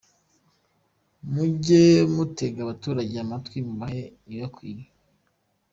Mujye mutega abaturage amatwi mubahe ibibakwiye.